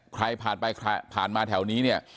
ใครผ่านไปผ่านมาแถวนี้เนี่ย